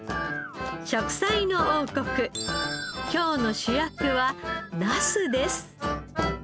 『食彩の王国』今日の主役はナスです。